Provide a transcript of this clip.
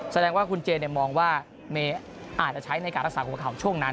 แสดงว่าคุณเจมองว่าเมย์อาจจะใช้ในการรักษาหัวเขาช่วงนั้น